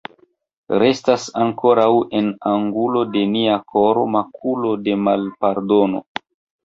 Restas ankoraŭ en angulo de nia koro makulo de malpardono.